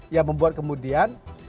yang membuat kemudian